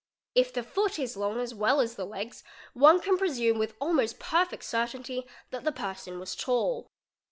Tf the foot is long as well as the legs, one can presume with almost perfect certainty that the person was tall.